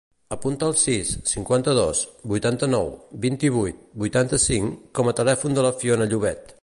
Apunta el sis, cinquanta-dos, vuitanta-nou, vint-i-vuit, vuitanta-cinc com a telèfon de la Fiona Llobet.